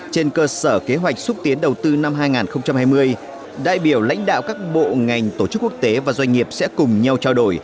trên cơ sở kế hoạch xúc tiến đầu tư năm hai nghìn hai mươi đại biểu lãnh đạo các bộ ngành tổ chức quốc tế và doanh nghiệp sẽ cùng nhau trao đổi